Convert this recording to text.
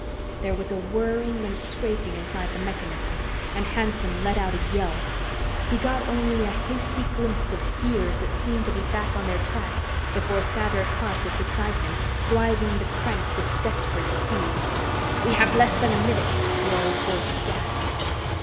There was a whirring and scraping inside the mechanism, and Hanson let out a yell. He got only a hasty glimpse of gears that seemed to be back on their tracks before Sather Karf was beside him, driving the cranks with desperate speed. "We have less than a minute!" the old voice gasped.